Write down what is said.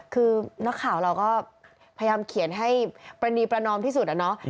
คือนักข่าวเราก็พยายามเขียนให้ปรณีประนอมที่สุดอะเนาะ